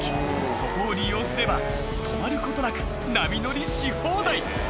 そこを利用すれば止まることなく波乗りし放題